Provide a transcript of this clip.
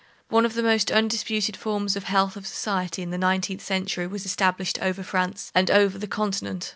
One of the most undisputed forms of the health of society in the nineteenth century was established over France, and over the continent.